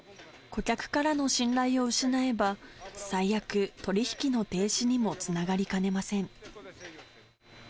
顧客からの信頼を失えば、最悪、取り引きの停止にもつながりかねません。